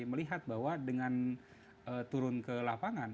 melihat bahwa dengan turun ke lapangan